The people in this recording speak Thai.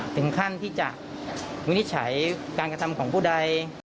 ถึงขั้นที่จะวินิจฉัยการกระทำของผู้ใด